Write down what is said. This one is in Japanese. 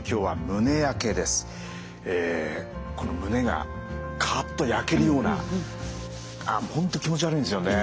この胸がカッと焼けるような本当気持ち悪いんですよね。